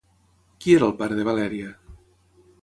Qui era el pare de Valèria?